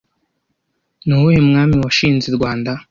Ni uwuhe mwami washinze Rwanda